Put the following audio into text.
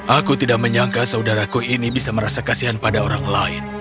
aku tidak menyangka saudaraku ini bisa merasa kasihan pada orang lain